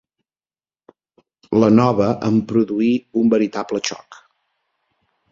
La nova em produí un veritable xoc